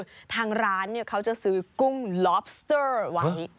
คือทางร้านเขาจะซื้อกุ้งลอบสเตอร์ไว้